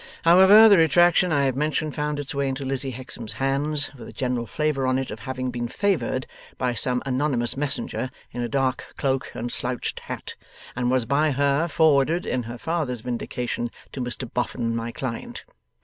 However, the retraction I have mentioned found its way into Lizzie Hexam's hands, with a general flavour on it of having been favoured by some anonymous messenger in a dark cloak and slouched hat, and was by her forwarded, in her father's vindication, to Mr Boffin, my client.